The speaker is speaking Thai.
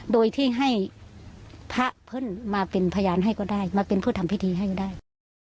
โดยที่ให้พระเพื่อนมาเป็นพยานให้ก็ได้มาเป็นผู้ทำพิธีให้ก็ได้